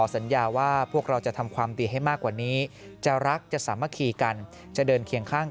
สัญญาว่าพวกเราจะทำความดีให้มากกว่านี้จะรักจะสามัคคีกันจะเดินเคียงข้าง